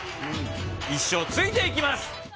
一生ついていきます。